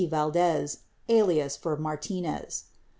Valdes (alias for Martinez).